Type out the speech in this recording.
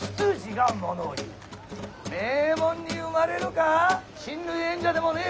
名門に生まれるか親類縁者でもねえ